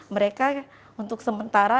mereka untuk sementara